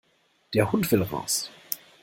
Der Hund will raus.